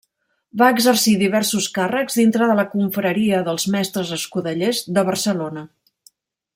Va exercir diversos càrrecs dintre de la confraria dels mestres escudellers de Barcelona.